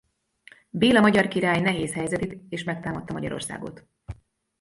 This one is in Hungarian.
Béla magyar király nehéz helyzetét és megtámadta Magyarországot.